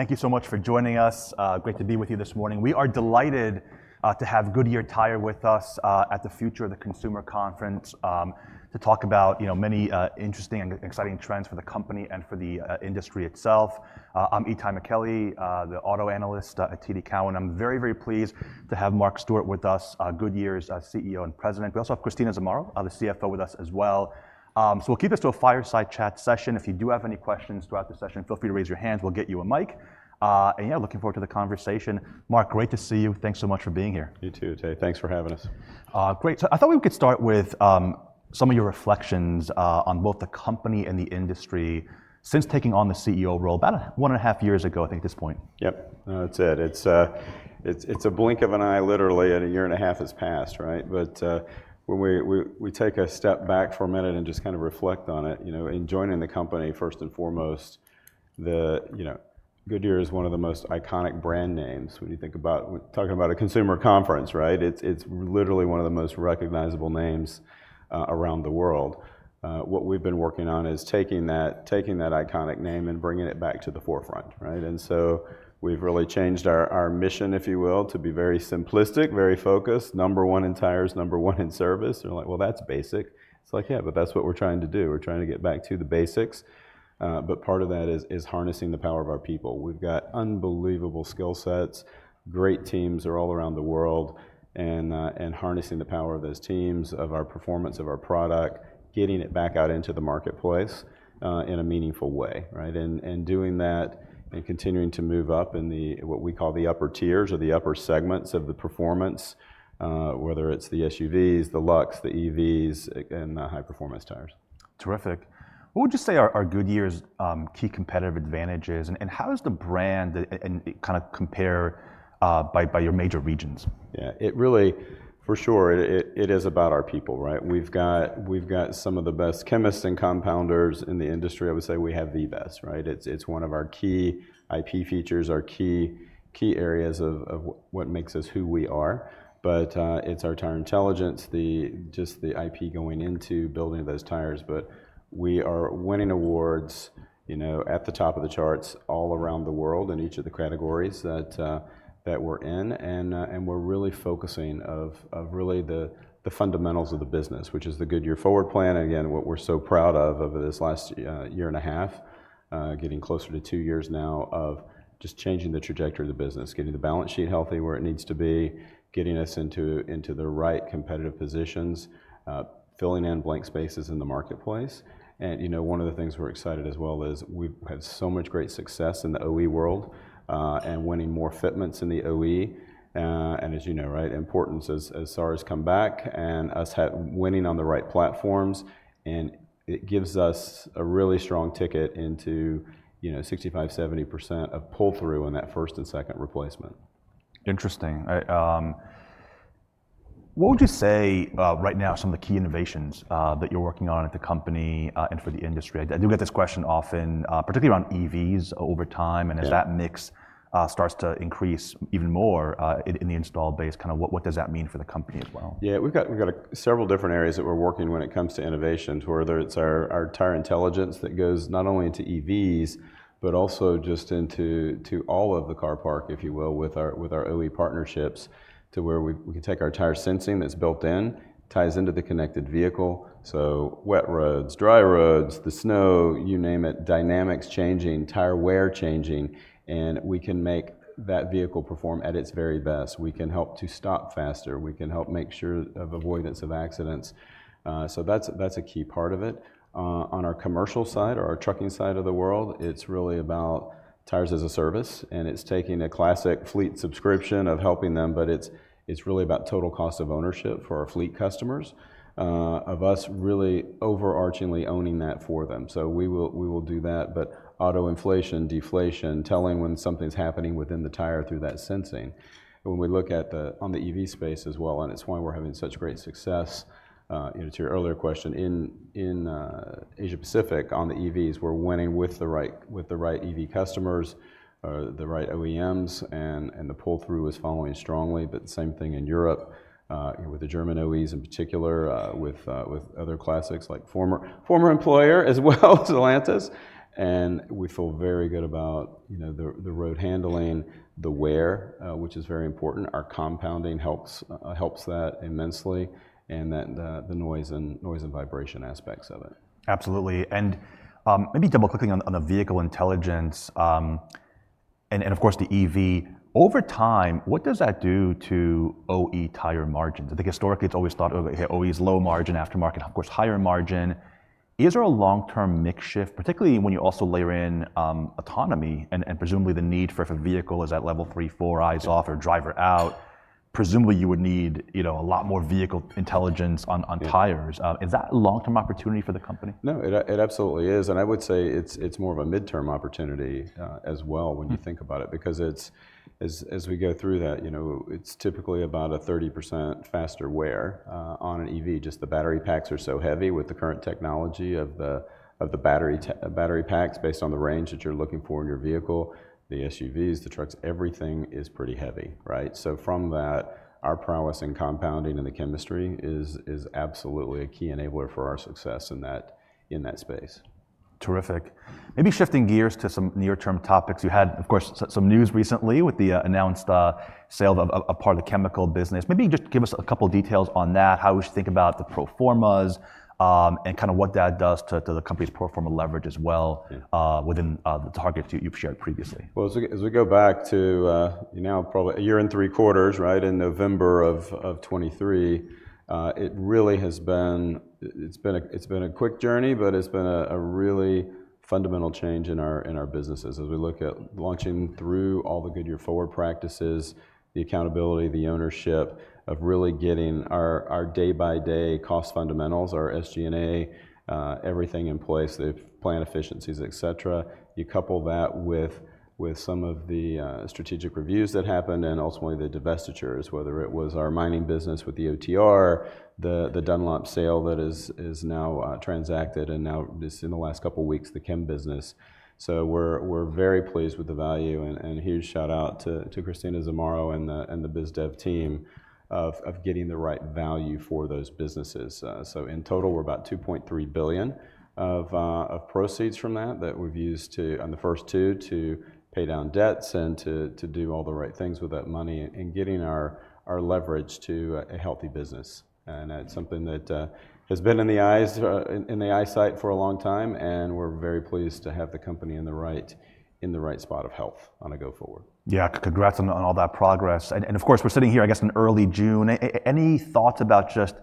Thank you so much for joining us. Great to be with you this morning. We are delighted to have Goodyear Tire with us at the Future of the Consumer Conference to talk about many interesting and exciting trends for the company and for the industry itself. I'm Itay Michaeli, the auto analyst at TD Cowen. I'm very, very pleased to have Mark Stewart with us, Goodyear's CEO and President. We also have Christina Zamarro, the CFO, with us as well. We'll keep this to a fireside chat session. If you do have any questions throughout the session, feel free to raise your hands. We'll get you a mic. Yeah, looking forward to the conversation. Mark, great to see you. Thanks so much for being here. You too, Itai. Thanks for having us. Great. I thought we could start with some of your reflections on both the company and the industry since taking on the CEO role about one and a half years ago, I think, at this point. Yep. No, it is. It is a blink of an eye, literally, and a year and a half has passed, right? But when we take a step back for a minute and just kind of reflect on it, in joining the company, first and foremost, Goodyear is one of the most iconic brand names when you think about talking about a consumer conference, right? It is literally one of the most recognizable names around the world. What we have been working on is taking that iconic name and bringing it back to the forefront, right? We have really changed our mission, if you will, to be very simplistic, very focused, number one in tires, number one in service. They are like, well, that is basic. It is like, yeah, but that is what we are trying to do. We are trying to get back to the basics. Part of that is harnessing the power of our people. We've got unbelievable skill sets, great teams all around the world, and harnessing the power of those teams, of our performance, of our product, getting it back out into the marketplace in a meaningful way, right? Doing that and continuing to move up in what we call the upper tiers or the upper segments of the performance, whether it's the SUVs, the Luxe, the EVs, and the high-performance tires. Terrific. What would you say are Goodyear's key competitive advantages? And how does the brand kind of compare by your major regions? Yeah. It really, for sure, it is about our people, right? We've got some of the best chemists and compounders in the industry. I would say we have the best, right? It's one of our key IP features, our key areas of what makes us who we are. It is our tire intelligence, just the IP going into building those tires. We are winning awards at the top of the charts all around the world in each of the categories that we're in. We're really focusing on the fundamentals of the business, which is the Goodyear Forward Plan, again, what we're so proud of over this last year and a half, getting closer to two years now of just changing the trajectory of the business, getting the balance sheet healthy where it needs to be, getting us into the right competitive positions, filling in blank spaces in the marketplace. One of the things we're excited as well is we've had so much great success in the OE world and winning more fitments in the OE. As you know, right, importance as SARS come back and us winning on the right platforms, and it gives us a really strong ticket into 65%-70% of pull-through in that first and second replacement. Interesting. What would you say right now are some of the key innovations that you're working on at the company and for the industry? I do get this question often, particularly around EVs over time. As that mix starts to increase even more in the installed base, kind of what does that mean for the company as well? Yeah. We've got several different areas that we're working when it comes to innovations, whether it's our tire intelligence that goes not only into EVs, but also just into all of the car park, if you will, with our OE partnerships to where we can take our tire sensing that's built in, ties into the connected vehicle. Wet roads, dry roads, the snow, you name it, dynamics changing, tire wear changing, and we can make that vehicle perform at its very best. We can help to stop faster. We can help make sure of avoidance of accidents. That's a key part of it. On our commercial side or our trucking side of the world, it's really about tires as a service. It's taking a classic fleet subscription of helping them, but it's really about total cost of ownership for our fleet customers, of us really overarchingly owning that for them. We will do that, but auto inflation, deflation, telling when something's happening within the tire through that sensing. When we look at the EV space as well, and it's why we're having such great success, to your earlier question, in Asia Pacific on the EVs, we're winning with the right EV customers, the right OEMs, and the pull-through is following strongly. The same thing in Europe with the German OEs in particular, with other classics like former employer as well, Stellantis. We feel very good about the road handling, the wear, which is very important. Our compounding helps that immensely, and the noise and vibration aspects of it. Absolutely. Maybe double-clicking on the vehicle intelligence and, of course, the EV, over time, what does that do to OE tire margins? I think historically, it's always thought OE is low margin, aftermarket, of course, higher margin. Is there a long-term makeshift, particularly when you also layer in autonomy and presumably the need for if a vehicle is at level three, four, eyes off or driver out, presumably you would need a lot more vehicle intelligence on tires. Is that a long-term opportunity for the company? No, it absolutely is. I would say it is more of a midterm opportunity as well when you think about it because as we go through that, it is typically about a 30% faster wear on an EV. Just the battery packs are so heavy with the current technology of the battery packs based on the range that you are looking for in your vehicle, the SUVs, the trucks, everything is pretty heavy, right? From that, our prowess in compounding and the chemistry is absolutely a key enabler for our success in that space. Terrific. Maybe shifting gears to some near-term topics. You had, of course, some news recently with the announced sale of a part of the chemical business. Maybe just give us a couple of details on that, how we should think about the proformas and kind of what that does to the company's proforma leverage as well within the targets you've shared previously. As we go back to now, probably a year and three quarters, right, in November of 2023, it really has been a quick journey, but it's been a really fundamental change in our businesses as we look at launching through all the Goodyear Forward practices, the accountability, the ownership of really getting our day-by-day cost fundamentals, our SG&A, everything in place, the plant efficiencies, et cetera. You couple that with some of the strategic reviews that happened and ultimately the divestitures, whether it was our mining business with the OTR, the Dunlop sale that is now transacted, and now just in the last couple of weeks, the chem business. We are very pleased with the value. A huge shout out to Christina Zamarro and the BizDev team for getting the right value for those businesses. In total, we're about $2.3 billion of proceeds from that that we've used on the first two to pay down debts and to do all the right things with that money and getting our leverage to a healthy business. That's something that has been in the eyesight for a long time. We're very pleased to have the company in the right spot of health on a go-forward. Yeah. Congrats on all that progress. Of course, we're sitting here, I guess, in early June. Any thoughts about just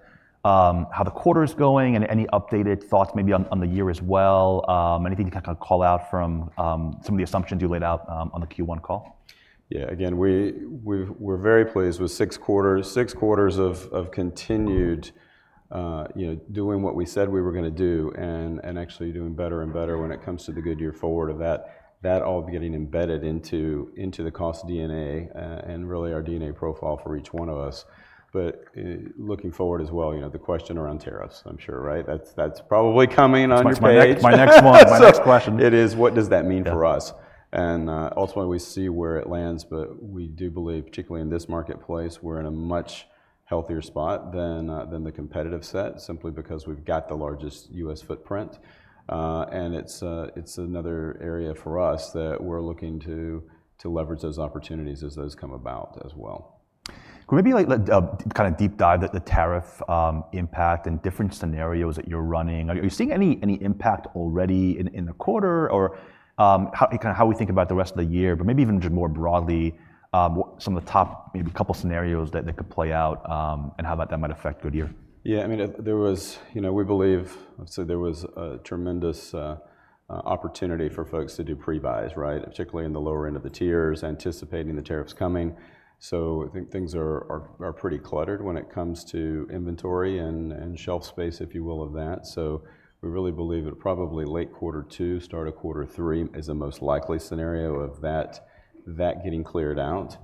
how the quarter's going and any updated thoughts maybe on the year as well? Anything to kind of call out from some of the assumptions you laid out on the Q1 call? Yeah. Again, we're very pleased with six quarters of continued doing what we said we were going to do and actually doing better and better when it comes to the Goodyear Forward of that all getting embedded into the cost DNA and really our DNA profile for each one of us. Looking forward as well, the question around tariffs, I'm sure, right? That's probably coming on your page. My next one, my next question. It is, what does that mean for us? Ultimately, we see where it lands. We do believe, particularly in this marketplace, we're in a much healthier spot than the competitive set simply because we've got the largest U.S. footprint. It's another area for us that we're looking to leverage those opportunities as those come about as well. Maybe kind of deep dive the tariff impact and different scenarios that you're running. Are you seeing any impact already in the quarter or kind of how we think about the rest of the year? Maybe even just more broadly, some of the top maybe couple of scenarios that could play out and how that might affect Goodyear? Yeah. I mean, there was, we believe, I'd say there was a tremendous opportunity for folks to do pre-buys, right, particularly in the lower end of the tiers anticipating the tariffs coming. I think things are pretty cluttered when it comes to inventory and shelf space, if you will, of that. We really believe that probably late quarter two, start of quarter three is the most likely scenario of that getting cleared out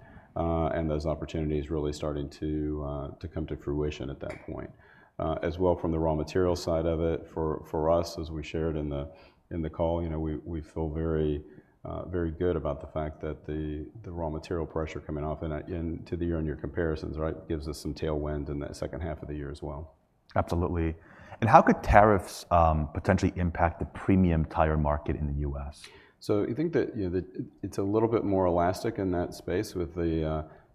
and those opportunities really starting to come to fruition at that point. As well, from the raw material side of it for us, as we shared in the call, we feel very good about the fact that the raw material pressure coming off into the year-on-year comparisons, right, gives us some tailwind in that second half of the year as well. Absolutely. How could tariffs potentially impact the premium tire market in the U.S.? I think that it's a little bit more elastic in that space with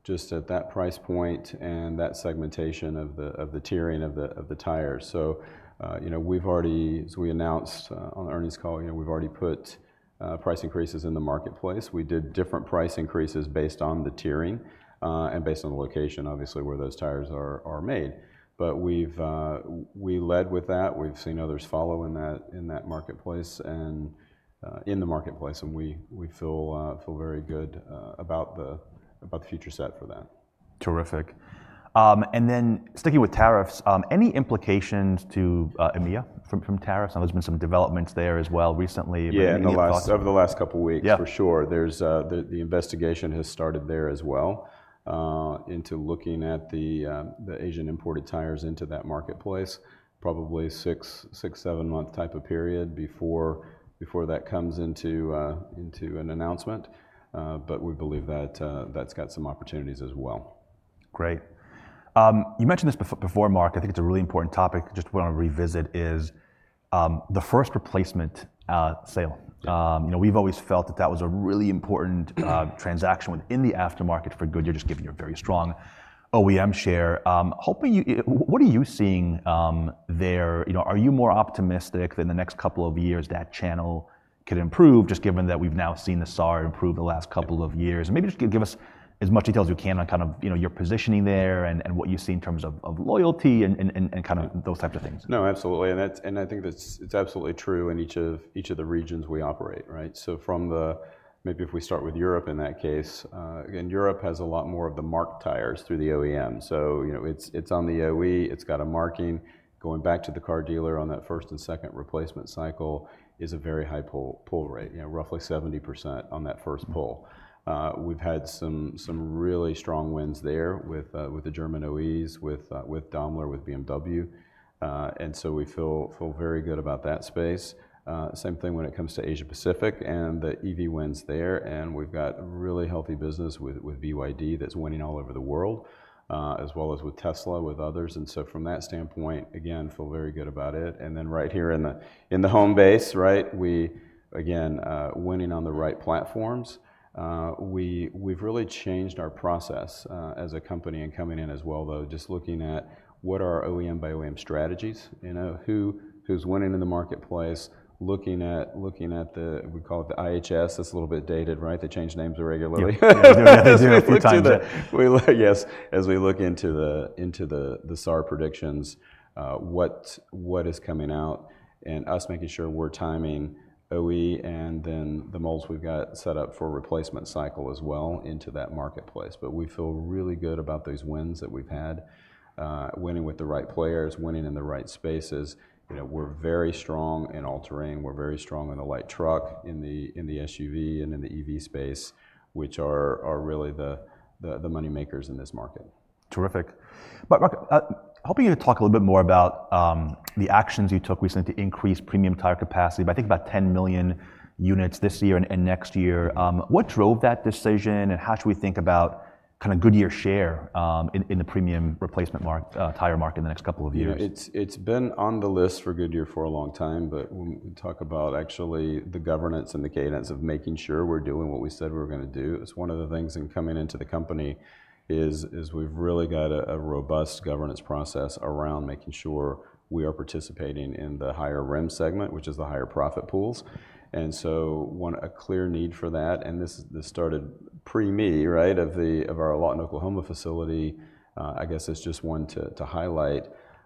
just at that price point and that segmentation of the tiering of the tires. We've already, as we announced on the earnings call, we've already put price increases in the marketplace. We did different price increases based on the tiering and based on the location, obviously, where those tires are made. We led with that. We've seen others follow in that marketplace and in the marketplace. We feel very good about the future set for that. Terrific. Sticking with tariffs, any implications to EMEA from tariffs? I know there's been some developments there as well recently. Yeah, in the last couple of weeks, for sure. The investigation has started there as well into looking at the Asian imported tires into that marketplace, probably six- to seven-month type of period before that comes into an announcement. We believe that that's got some opportunities as well. Great. You mentioned this before, Mark. I think it's a really important topic. Just want to revisit is the first replacement sale. We've always felt that that was a really important transaction within the aftermarket for Goodyear, just given your very strong OEM share. What are you seeing there? Are you more optimistic that in the next couple of years that channel could improve, just given that we've now seen the SAR improve the last couple of years? Maybe just give us as much detail as you can on kind of your positioning there and what you see in terms of loyalty and kind of those types of things. No, absolutely. I think it's absolutely true in each of the regions we operate, right? Maybe if we start with Europe in that case, again, Europe has a lot more of the marked tires through the OEM. It's on the OE. It's got a marking. Going back to the car dealer on that first and second replacement cycle is a very high pull rate, roughly 70% on that first pull. We've had some really strong wins there with the German OEs, with Daimler, with BMW. We feel very good about that space. Same thing when it comes to Asia Pacific and the EV wins there. We've got a really healthy business with BYD that's winning all over the world, as well as with Tesla, with others. From that standpoint, again, feel very good about it. Right here in the home base, right, we again, winning on the right platforms. We've really changed our process as a company and coming in as well, though, just looking at what are our OEM-by-OEM strategies, who's winning in the marketplace, looking at the, we call it the IHS. It's a little bit dated, right? They change names irregularly. Yes. Yes. As we look into the SAR predictions, what is coming out and us making sure we're timing OE and then the moles we've got set up for replacement cycle as well into that marketplace. We feel really good about those wins that we've had, winning with the right players, winning in the right spaces. We're very strong in all-terrain. We're very strong in the light truck, in the SUV, and in the EV space, which are really the moneymakers in this market. Terrific. Mark, I'm hoping you could talk a little bit more about the actions you took recently to increase premium tire capacity. I think about 10 million units this year and next year. What drove that decision and how should we think about kind of Goodyear's share in the premium replacement tire market in the next couple of years? It's been on the list for Goodyear for a long time. When we talk about actually the governance and the cadence of making sure we're doing what we said we were going to do, it's one of the things in coming into the company is we've really got a robust governance process around making sure we are participating in the higher rim segment, which is the higher profit pools. A clear need for that. This started pre-me, right, of our lot in Oklahoma facility. I guess it's just one to highlight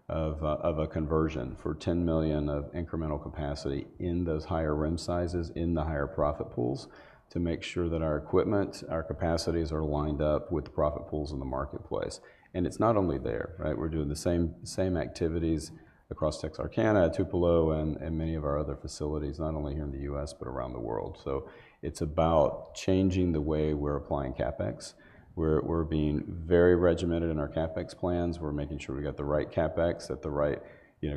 of a conversion for $10 million of incremental capacity in those higher rim sizes in the higher profit pools to make sure that our equipment, our capacities are lined up with the profit pools in the marketplace. It's not only there, right? We're doing the same activities across Texarkana, Tupelo, and many of our other facilities, not only here in the U.S., but around the world. It's about changing the way we're applying CapEx. We're being very regimented in our CapEx plans. We're making sure we got the right CapEx at the right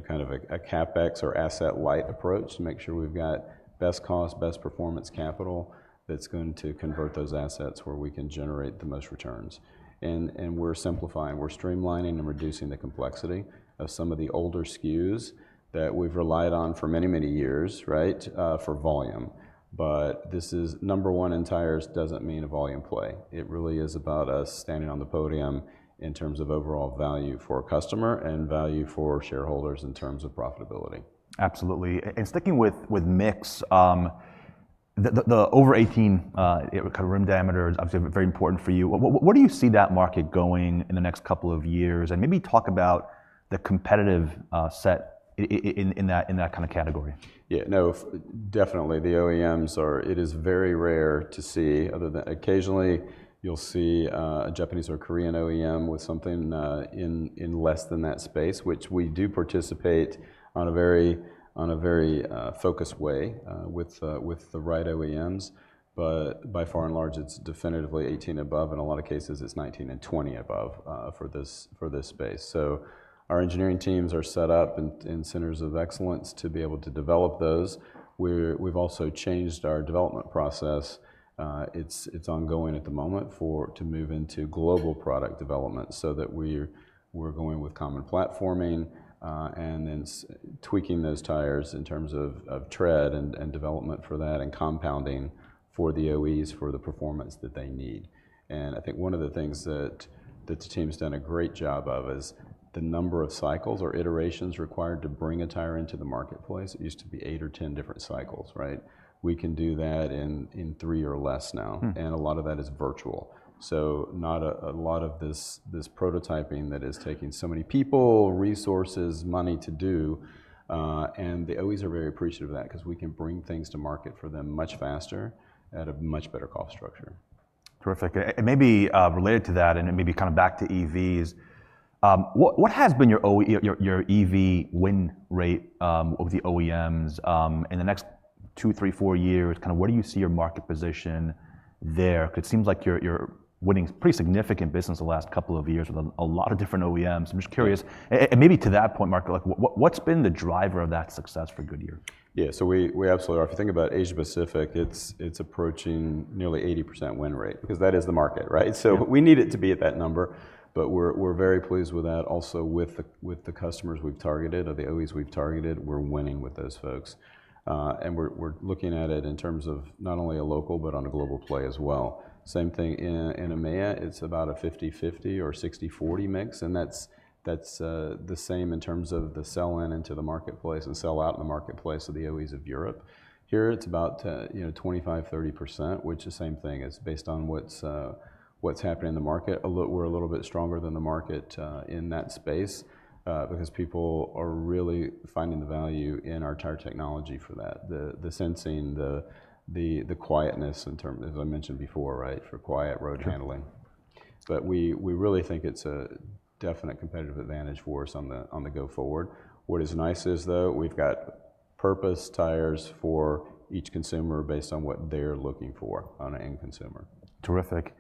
kind of a CapEx or asset light approach to make sure we've got best cost, best performance capital that's going to convert those assets where we can generate the most returns. We're simplifying. We're streamlining and reducing the complexity of some of the older SKUs that we've relied on for many, many years, right, for volume. This is number one in tires doesn't mean a volume play. It really is about us standing on the podium in terms of overall value for a customer and value for shareholders in terms of profitability. Absolutely. Sticking with MIX, the over 18 kind of rim diameters, obviously very important for you. Where do you see that market going in the next couple of years? Maybe talk about the competitive set in that kind of category. Yeah. No, definitely. The OEMs are, it is very rare to see, other than occasionally you'll see a Japanese or Korean OEM with something in less than that space, which we do participate on a very focused way with the right OEMs. By far and large, it's definitively 18 above. In a lot of cases, it's 19 and 20 above for this space. Our engineering teams are set up in centers of excellence to be able to develop those. We've also changed our development process. It's ongoing at the moment to move into global product development so that we're going with common platforming and then tweaking those tires in terms of tread and development for that and compounding for the OEs for the performance that they need. I think one of the things that the team's done a great job of is the number of cycles or iterations required to bring a tire into the marketplace. It used to be eight or 10 different cycles, right? We can do that in three or less now. A lot of that is virtual. Not a lot of this prototyping that is taking so many people, resources, money to do. The OEs are very appreciative of that because we can bring things to market for them much faster at a much better cost structure. Terrific. Maybe related to that and maybe kind of back to EVs, what has been your EV win rate of the OEMs in the next two, three, four years? Kind of where do you see your market position there? It seems like you are winning pretty significant business the last couple of years with a lot of different OEMs. I am just curious. Maybe to that point, Mark, what has been the driver of that success for Goodyear? Yeah. So we absolutely are. If you think about Asia Pacific, it's approaching nearly 80% win rate because that is the market, right? We need it to be at that number. We're very pleased with that. Also with the customers we've targeted or the OEs we've targeted, we're winning with those folks. We're looking at it in terms of not only a local, but on a global play as well. Same thing in EMEA. It's about a 50/50 or 60/40 mix. That's the same in terms of the sell-in into the marketplace and sell-out in the marketplace of the OEs of Europe. Here, it's about 25-30%, which is the same thing. It's based on what's happening in the market. We're a little bit stronger than the market in that space because people are really finding the value in our tire technology for that, the sensing, the quietness in terms of, as I mentioned before, right, for quiet road handling. We really think it's a definite competitive advantage for us on the go-forward. What is nice is, though, we've got purpose tires for each consumer based on what they're looking for on an end consumer. Terrific.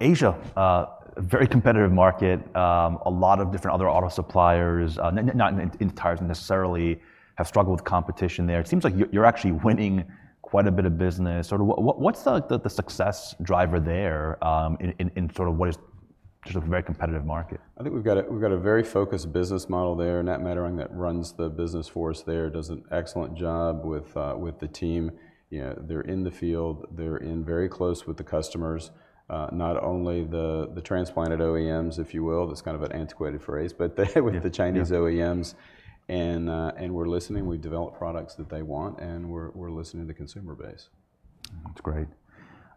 Asia, very competitive market. A lot of different other auto suppliers, not in tires necessarily, have struggled with competition there. It seems like you're actually winning quite a bit of business. What's the success driver there in sort of what is just a very competitive market? I think we've got a very focused business model there, Nat Madarang, that runs the business for us there, does an excellent job with the team. They're in the field. They're in very close with the customers, not only the transplanted OEMs, if you will. That's kind of an antiquated phrase, but with the Chinese OEMs. We're listening. We develop products that they want. We're listening to the consumer base. That's great.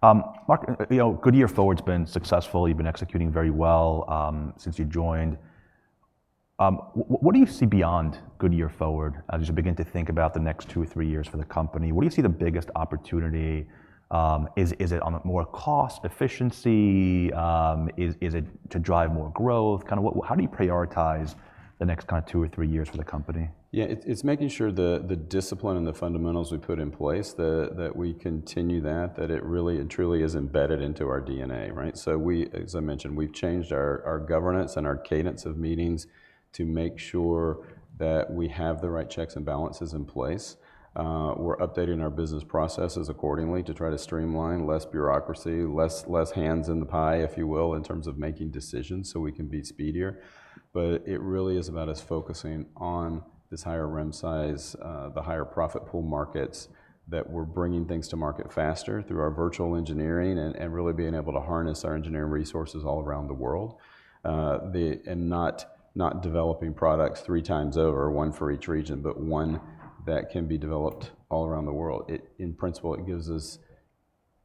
Mark, Goodyear Forward's been successful. You've been executing very well since you joined. What do you see beyond Goodyear Forward as you begin to think about the next two or three years for the company? What do you see the biggest opportunity? Is it on more cost efficiency? Is it to drive more growth? Kind of how do you prioritize the next kind of two or three years for the company? Yeah. It's making sure the discipline and the fundamentals we put in place that we continue that, that it really and truly is embedded into our DNA, right? As I mentioned, we've changed our governance and our cadence of meetings to make sure that we have the right checks and balances in place. We're updating our business processes accordingly to try to streamline less bureaucracy, less hands in the pie, if you will, in terms of making decisions so we can be speedier. It really is about us focusing on this higher rim size, the higher profit pool markets that we're bringing things to market faster through our virtual engineering and really being able to harness our engineering resources all around the world and not developing products three times over, one for each region, but one that can be developed all around the world. In principle, it gives us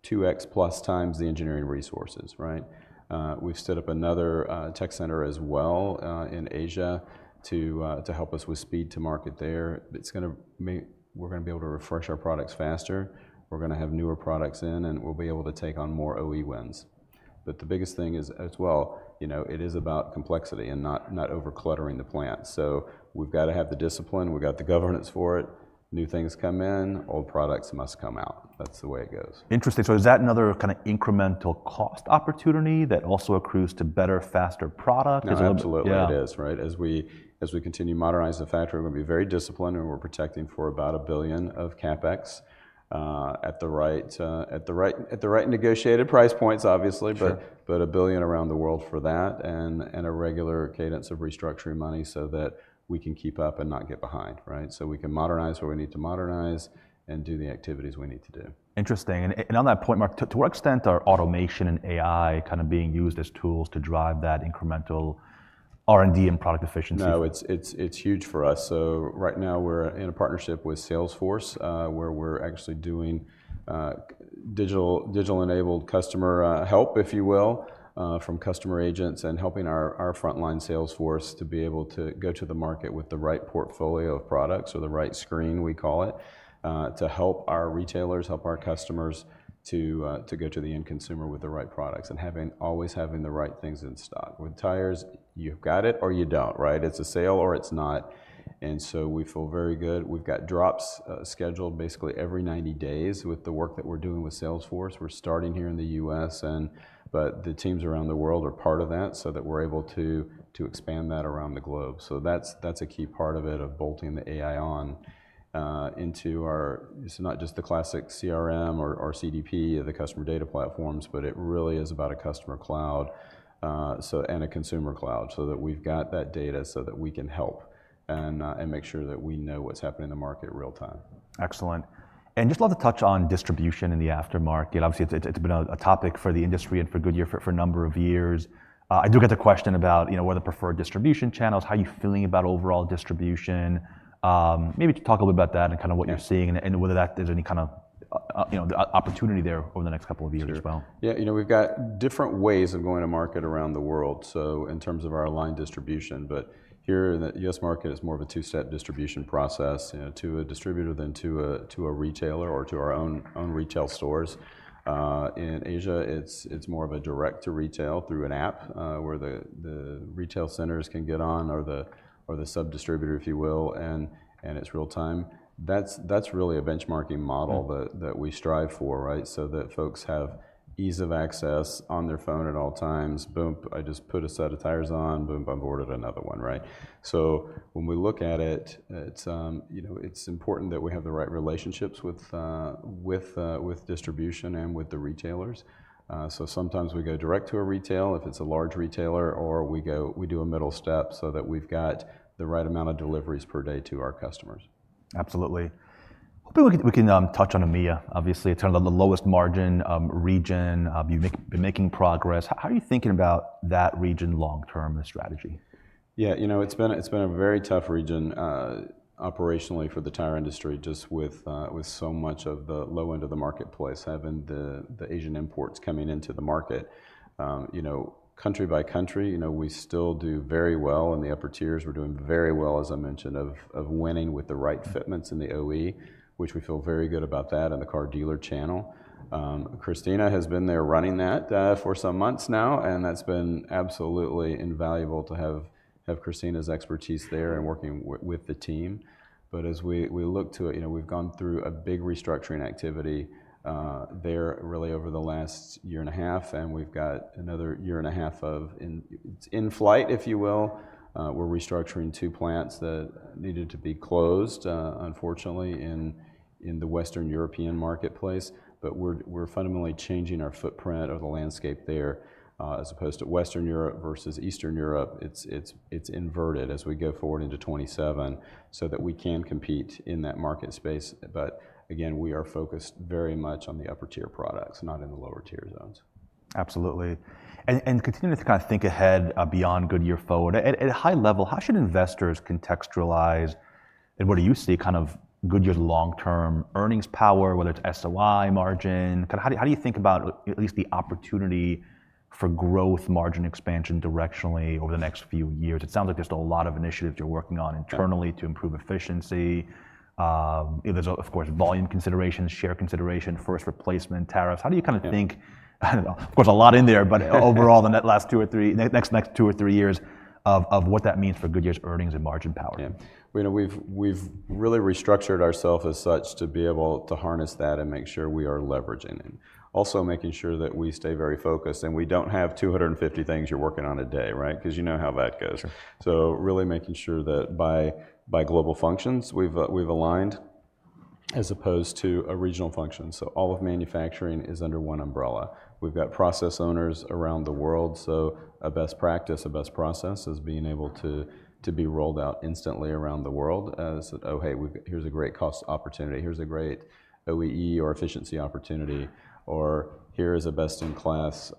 2x plus times the engineering resources, right? We've set up another tech center as well in Asia to help us with speed to market there. We're going to be able to refresh our products faster. We're going to have newer products in, and we'll be able to take on more OE wins. The biggest thing is as well, it is about complexity and not overcluttering the plant. We've got to have the discipline. We've got the governance for it. New things come in. Old products must come out. That's the way it goes. Interesting. Is that another kind of incremental cost opportunity that also accrues to better, faster products? No, absolutely. It is, right? As we continue to modernize the factory, we're going to be very disciplined. We're protecting for about $1 billion of CapEx at the right negotiated price points, obviously, but $1 billion around the world for that and a regular cadence of restructuring money so that we can keep up and not get behind, right? We can modernize where we need to modernize and do the activities we need to do. Interesting. On that point, Mark, to what extent are automation and AI kind of being used as tools to drive that incremental R&D and product efficiency? No, it's huge for us. Right now, we're in a partnership with Salesforce where we're actually doing digital-enabled customer help, if you will, from customer agents and helping our frontline Salesforce to be able to go to the market with the right portfolio of products or the right screen, we call it, to help our retailers, help our customers to go to the end consumer with the right products and always having the right things in stock. With tires, you've got it or you don't, right? It's a sale or it's not. We feel very good. We've got drops scheduled basically every 90 days with the work that we're doing with Salesforce. We're starting here in the U.S., but the teams around the world are part of that so that we're able to expand that around the globe. That's a key part of it, of bolting the AI on into our, it's not just the classic CRM or CDP of the customer data platforms, but it really is about a customer cloud and a consumer cloud so that we've got that data so that we can help and make sure that we know what's happening in the market real time. Excellent. I just love to touch on distribution in the aftermarket. Obviously, it's been a topic for the industry and for Goodyear for a number of years. I do get the question about what are the preferred distribution channels, how are you feeling about overall distribution? Maybe talk a little bit about that and kind of what you're seeing and whether that is any kind of opportunity there over the next couple of years as well. Yeah. You know, we've got different ways of going to market around the world, so in terms of our line distribution. Here in the U.S. market, it's more of a two-step distribution process to a distributor, then to a retailer or to our own retail stores. In Asia, it's more of a direct-to-retail through an app where the retail centers can get on or the sub-distributor, if you will, and it's real time. That's really a benchmarking model that we strive for, right, so that folks have ease of access on their phone at all times. Boom, I just put a set of tires on. Boom, I'm bored of another one, right? When we look at it, it's important that we have the right relationships with distribution and with the retailers. Sometimes we go direct to a retail if it's a large retailer, or we do a middle step so that we've got the right amount of deliveries per day to our customers. Absolutely. Hopefully, we can touch on EMEA, obviously, in terms of the lowest margin region. You've been making progress. How are you thinking about that region long-term, the strategy? Yeah. You know, it's been a very tough region operationally for the tire industry just with so much of the low end of the marketplace having the Asian imports coming into the market. Country by country, we still do very well in the upper tiers. We're doing very well, as I mentioned, of winning with the right fitments in the OE, which we feel very good about that and the car dealer channel. Christina has been there running that for some months now. That's been absolutely invaluable to have Christina's expertise there and working with the team. As we look to it, we've gone through a big restructuring activity there really over the last year and a half. We've got another year and a half of in flight, if you will. We're restructuring two plants that needed to be closed, unfortunately, in the Western European marketplace. We're fundamentally changing our footprint of the landscape there as opposed to Western Europe versus Eastern Europe. It's inverted as we go forward into 2027 so that we can compete in that market space. Again, we are focused very much on the upper tier products, not in the lower tier zones. Absolutely. Continuing to kind of think ahead beyond Goodyear Forward, at a high level, how should investors contextualize and what do you see kind of Goodyear's long-term earnings power, whether it's SOI margin? Kind of how do you think about at least the opportunity for growth margin expansion directionally over the next few years? It sounds like there's still a lot of initiatives you're working on internally to improve efficiency. There's, of course, volume considerations, share consideration, first replacement tariffs. How do you kind of think, of course, a lot in there, but overall, the last two or three, next two or three years of what that means for Goodyear's earnings and margin power? Yeah. We've really restructured ourselves as such to be able to harness that and make sure we are leveraging it. Also making sure that we stay very focused and we do not have 250 things you are working on a day, right? Because you know how that goes. Really making sure that by global functions, we have aligned as opposed to a regional function. All of manufacturing is under one umbrella. We have process owners around the world. A best practice, a best process is being able to be rolled out instantly around the world as, oh, hey, here is a great cost opportunity. Here is a great OEE or efficiency opportunity. Or here is a best-in-class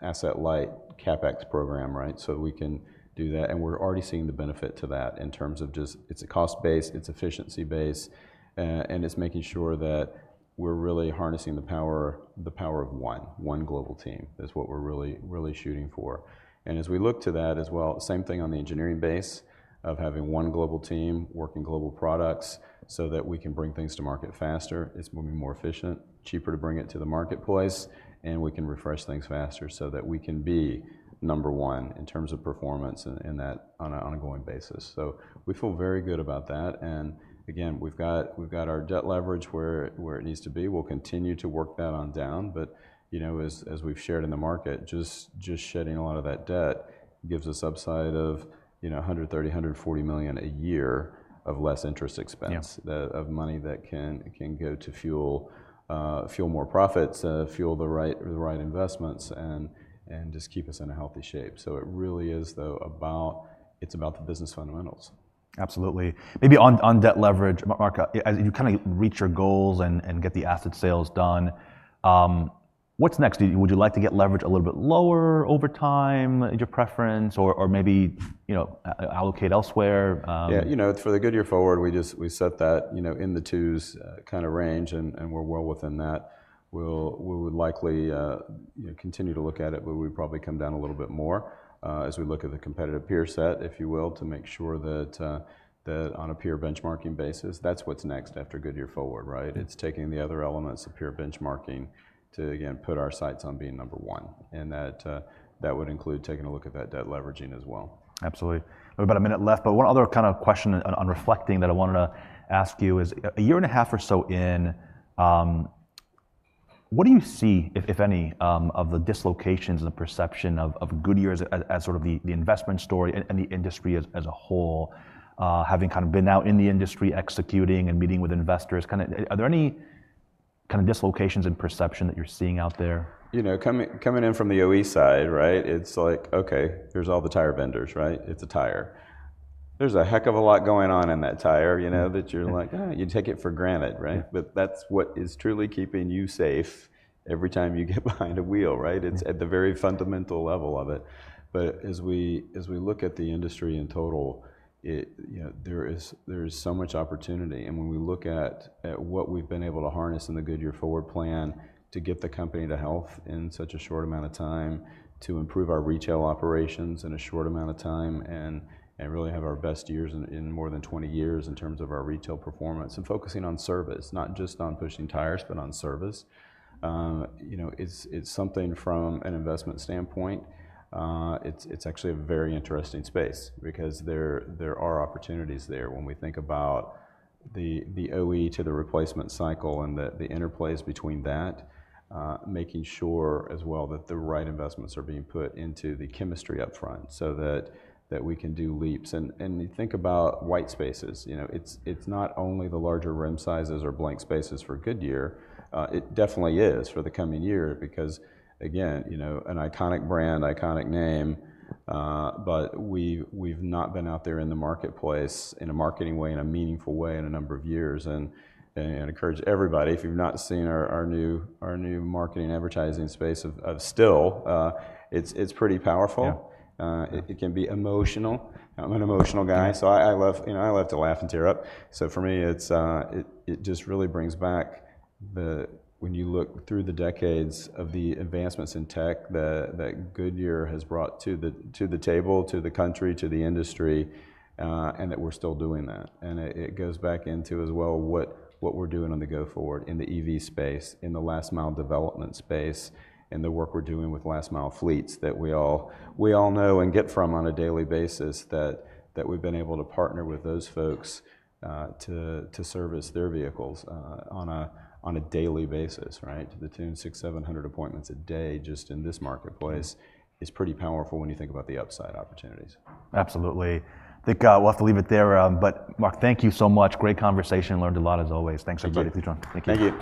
asset light CapEx program, right? We can do that. We are already seeing the benefit to that in terms of just it is a cost base. It is efficiency base. It is making sure that we're really harnessing the power of one, one global team is what we're really shooting for. As we look to that as well, same thing on the engineering base of having one global team working global products so that we can bring things to market faster. It is going to be more efficient, cheaper to bring it to the marketplace. We can refresh things faster so that we can be number one in terms of performance on an ongoing basis. We feel very good about that. Again, we've got our debt leverage where it needs to be. We'll continue to work that on down. As we've shared in the market, just shedding a lot of that debt gives us upside of $130 million-$140 million a year of less interest expense, of money that can go to fuel more profits, fuel the right investments, and just keep us in a healthy shape. It really is, though, about the business fundamentals. Absolutely. Maybe on debt leverage, Mark, as you kind of reach your goals and get the asset sales done, what's next? Would you like to get leverage a little bit lower over time? Is your preference or maybe allocate elsewhere? Yeah. You know, for the Goodyear Forward, we set that in the twos kind of range, and we're well within that. We would likely continue to look at it, but we'd probably come down a little bit more as we look at the competitive peer set, if you will, to make sure that on a peer benchmarking basis, that's what's next after Goodyear Forward, right? It's taking the other elements of peer benchmarking to, again, put our sights on being number one. That would include taking a look at that debt leveraging as well. Absolutely. We've got a minute left. One other kind of question on reflecting that I wanted to ask you is a year and a half or so in, what do you see, if any, of the dislocations and the perception of Goodyear as sort of the investment story and the industry as a whole, having kind of been out in the industry executing and meeting with investors? Are there any kind of dislocations in perception that you're seeing out there? You know, coming in from the OE side, right? It's like, okay, here's all the tire vendors, right? It's a tire. There's a heck of a lot going on in that tire, you know, that you're like, you take it for granted, right? That's what is truly keeping you safe every time you get behind a wheel, right? It's at the very fundamental level of it. As we look at the industry in total, there is so much opportunity. When we look at what we have been able to harness in the Goodyear Forward plan to get the company to health in such a short amount of time, to improve our retail operations in a short amount of time, and really have our best years in more than 20 years in terms of our retail performance and focusing on service, not just on pushing tires, but on service, it is something from an investment standpoint. It is actually a very interesting space because there are opportunities there when we think about the OE to the replacement cycle and the interplays between that, making sure as well that the right investments are being put into the chemistry upfront so that we can do leaps. You think about white spaces. It is not only the larger rim sizes or blank spaces for Goodyear. It definitely is for the coming year because, again, an iconic brand, iconic name, but we've not been out there in the marketplace in a marketing way, in a meaningful way in a number of years. I encourage everybody, if you've not seen our new marketing advertising space of still, it's pretty powerful. It can be emotional. I'm an emotional guy, so I love to laugh and tear up. For me, it just really brings back when you look through the decades of the advancements in tech that Goodyear has brought to the table, to the country, to the industry, and that we're still doing that. It goes back into as well what we're doing on the go-Forward in the EV space, in the last mile development space, and the work we're doing with last mile fleets that we all know and get from on a daily basis that we've been able to partner with those folks to service their vehicles on a daily basis, right? To the tune of six, seven hundred appointments a day just in this marketplace is pretty powerful when you think about the upside opportunities. Absolutely. I think we'll have to leave it there. Mark, thank you so much. Great conversation. Learned a lot as always. Thanks for being with us. Thank you.